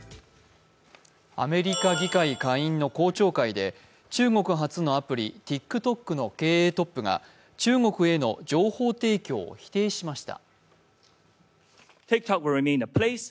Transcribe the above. アメリカ議会下院の公聴会で中国発のアプリＴｉｋＴｏｋの経営トップが中国への情報提供を否定しました。